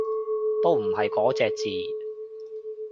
都唔係嗰隻字